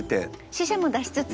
死者も出しつつ。